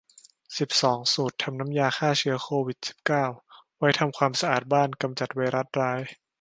สิบสอง สูตรทำน้ำยาฆ่าเชื้อโควิด สิบเก้า ไว้ทำความสะอาดบ้านกำจัดไวรัสร้าย